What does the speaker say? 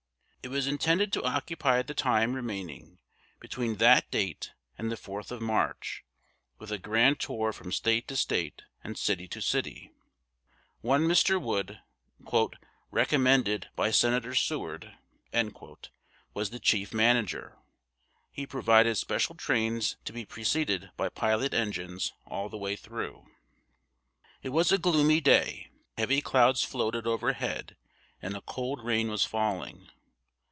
It was intended to occupy the time remaining between that date and the 4th of March with a grand tour from State to State and city to city. One Mr. Wood, "recommended by Senator Seward," was the chief manager. He provided special trains to be preceded by pilot engines all the way through. It was a gloomy day: heavy clouds floated overhead, and a cold rain was falling.